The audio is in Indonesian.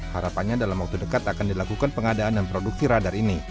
harapannya dalam waktu dekat akan dilakukan pengadaan dan produksi radar ini